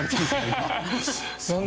今。